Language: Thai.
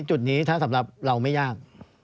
จุดนี้ถ้าสำหรับเราไม่ยาก